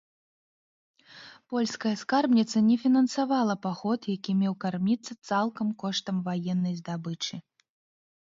Польская скарбніца не фінансавала паход, які меў карміцца цалкам коштам ваеннай здабычы.